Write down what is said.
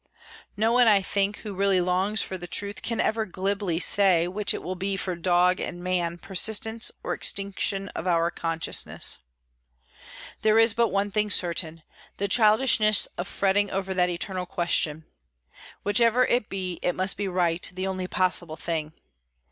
No one, I think, who really longs for truth, can ever glibly say which it will be for dog and man persistence or extinction of our consciousness. There is but one thing certain—the childishness of fretting over that eternal question. Whichever it be, it must be right, the only possible thing.